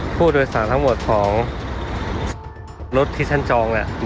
ผู้โดยสารทั้งหมดของรถที่ฉันจองเนี่ย